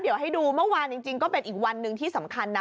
เดี๋ยวให้ดูเมื่อวานจริงก็เป็นอีกวันหนึ่งที่สำคัญนะ